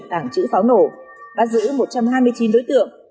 tăng sữ pháo nổ bắt giữ một trăm hai mươi chín đối tượng